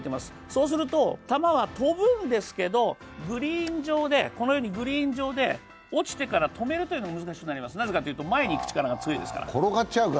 そうすると、球は飛ぶんですけど、グリーン上で落ちてから止めるというのが難しくなります、なぜかというと前にいく力が強いですから。